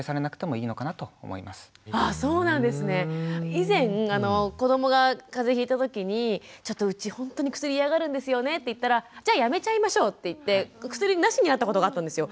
以前子どもがかぜひいた時にちょっとうちほんとに薬嫌がるんですよねって言ったらじゃあやめちゃいましょうって言って薬なしになったことがあったんですよ。